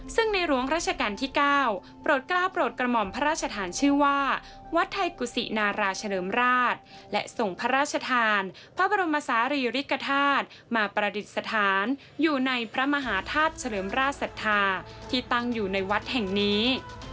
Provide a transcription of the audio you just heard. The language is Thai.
ซึ่งในหลวงราชการที่๙โปรดกล้าวโปรดกระหม่อมพระราชฐานชื่อว่าวัดไทยกุศินาราเฉลิมราชและส่งพระราชทานพระบรมศาลีริกฐาตุมาประดิษฐานอยู่ในพระมหาธาตุเฉลิมราชศรัทธาที่ตั้งอยู่ในวัดแห่งนี้